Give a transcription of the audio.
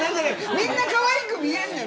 みんなかわいく見えるのよ。